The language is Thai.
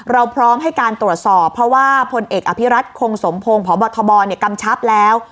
พร้อมให้การตรวจสอบเพราะว่าพลเอกอภิรัตคงสมพงศ์พบทบกำชับแล้ว